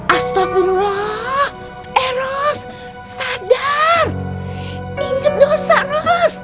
astagfirullah eh ros sadar inget dosa ros